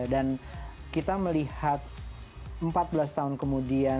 dan kita melihat empat belas tahun kemudian